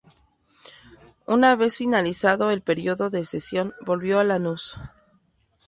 Una vez finalizado el período de cesión, volvió a Lanús.